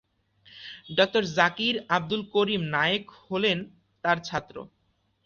ডঃ জাকির আব্দুল করিম নায়েক হলেন তার ছাত্র।